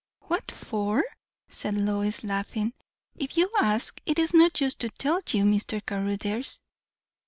"What for?" said Lois, laughing. "If you ask, it is no use to tell you, Mr. Caruthers."